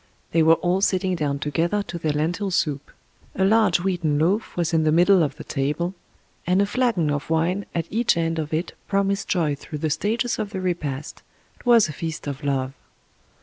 They were all sitting down together to their lentil soup. A large wheaten loaf was in the middle of the table, and a flagon of wine at each end of it promised joy through the stages of the repast — 'twas a feast of love.